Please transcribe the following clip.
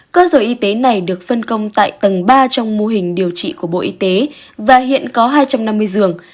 cơ sở y tế này được phân công tại tầng ba trong mô hình điều trị của bộ y tế và hiện có hai trăm năm mươi giường